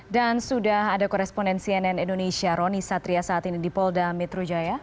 dan sudah ada koresponden cnn indonesia roni satria saat ini di polda metro jaya